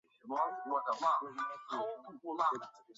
模糊测试工具通常可以被分为两类。